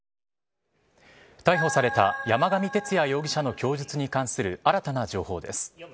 逮捕された山上徹也容疑者の供述に関する新たな情報です。